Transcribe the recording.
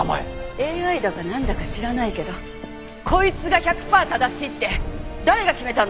ＡＩだかなんだか知らないけどこいつが１００パー正しいって誰が決めたの？